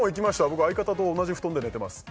僕相方と同じ布団で寝てます